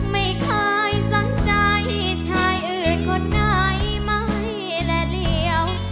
ไม่ค่อยสังใจให้ชายอื่นคนไหนไหมและเหลี่ยว